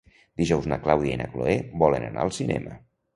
Dijous na Clàudia i na Cloè volen anar al cinema.